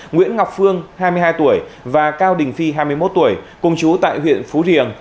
nguyễn ngọc phương hai mươi hai tuổi và cao đình phi hai mươi một tuổi cùng chú tại huyện phú riềng